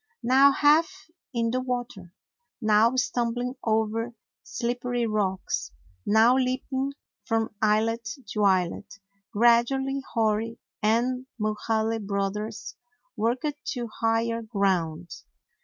Now half in the water, now stumbling over slippery rocks, now leap ing from islet to islet, gradually Hori and Mulhaly Brothers worked to higher ground.